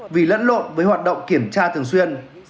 vì lẫn lộn với hoạt động kiểm tra thường xuyên